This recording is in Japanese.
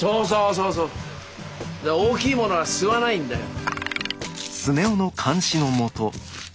大きいものは吸わないんだよ。